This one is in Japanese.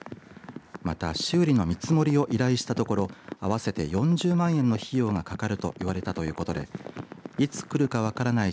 また修理の見積もりを依頼したところ合わせて４０万円の費用がかかると言われたということでいつくるか分からない